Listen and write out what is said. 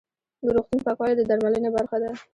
د روغتون پاکوالی د درملنې برخه ده.